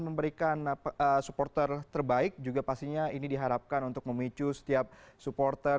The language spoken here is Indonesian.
memberikan supporter terbaik juga pastinya ini diharapkan untuk memicu setiap supporter